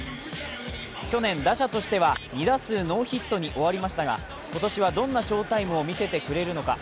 去年、打者としては２打数ノーヒットに終わりましたが、今年はどんな翔タイムを見せてくれるのか。